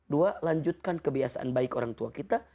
dua lanjutkan kebiasaan baik orang tua kita